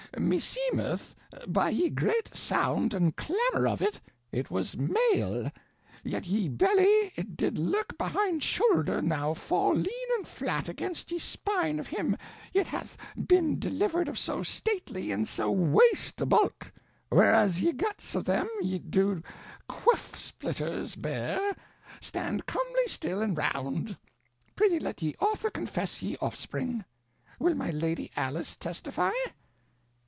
Meseemeth, by ye grete sound and clamour of it, it was male; yet ye belly it did lurk behinde shoulde now fall lean and flat against ye spine of him yt hath bene delivered of so stately and so waste a bulk, where as ye guts of them yt doe quiff splitters bear, stand comely still and rounde. Prithee let ye author confess ye offspring. Will my Lady Alice testify?